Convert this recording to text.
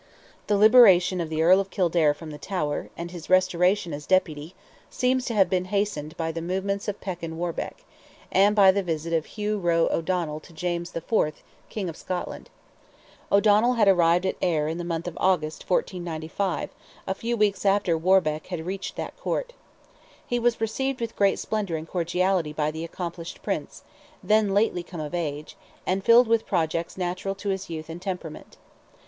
The liberation of the Earl of Kildare from the Tower, and his restoration as Deputy, seems to have been hastened by the movements of Perkin Warbeck, and by the visit of Hugh Roe O'Donnell to James IV., King of Scotland. O'Donnell had arrived at Ayr in the month of August, 1495, a few weeks after Warbeck had reached that court. He was received with great splendour and cordiality by the accomplished Prince, then lately come of age, and filled with projects natural to his youth and temperament.